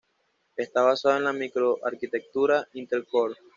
Está basado en la microarquitectura Intel Core.